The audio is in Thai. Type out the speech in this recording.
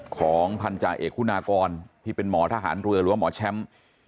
ของพันธาเอกคุณากรที่เป็นหมอทหารเรือหรือว่าหมอแชมป์